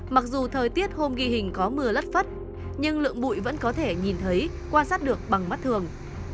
mặc dù thời tiết hôm ghi hình có mưa lất phất nhưng lượng bụi vẫn có thể nhìn thấy quan sát được bằng mắt thường